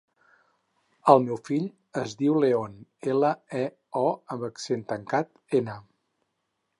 El meu fill es diu León: ela, e, o amb accent tancat, ena.